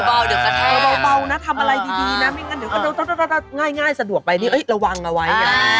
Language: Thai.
พอเราเบานะทำอะไรดีนะง่ายสะดวกไประวังเอาไว้